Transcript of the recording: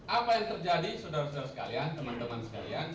apa yang terjadi saudara saudara sekalian teman teman sekalian